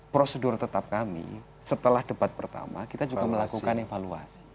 prosedur tetap kami setelah debat pertama kita juga melakukan evaluasi